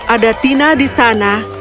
ada tina di sana